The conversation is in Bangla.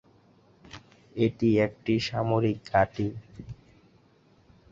এটি একটি সামরিক ঘাঁটি।